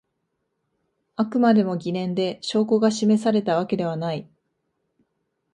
あくまでも疑念で証拠が示されたわけではない